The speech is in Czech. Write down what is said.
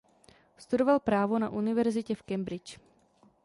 Studoval právo na univerzitě v Cambridge.